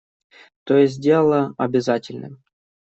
То есть сделала обязательным.